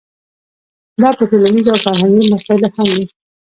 دا په ټولنیزو او فرهنګي مسایلو هم وي.